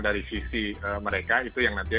dari sisi mereka itu yang nanti